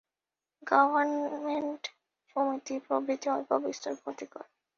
Government, সমিতি প্রভৃতি অল্পবিস্তর ক্ষতিকর।